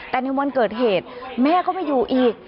แต่ในวันเกิดเหตุแม่ก็ไม่อยู่อีก